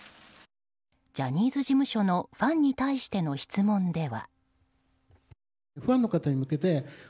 ジャニーズ事務所のファンに対しての質問では。